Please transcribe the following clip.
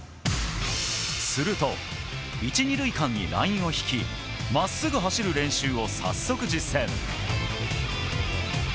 すると１、２塁間にラインを引き真っすぐ走る練習を早速、実践。